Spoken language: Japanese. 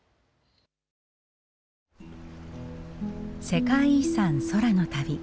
世界遺産空の旅。